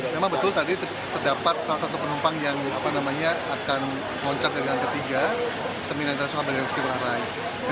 memang betul tadi terdapat salah satu penumpang yang akan loncat dengan ketiga terminal internasional bandara igusti ngurah rai